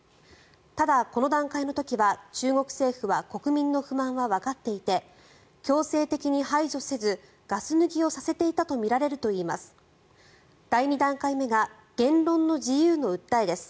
ただ、この段階の時は中国政府は国民の不満をわかっていて強制的に排除せずガス抜きをさせていたとみられるということです。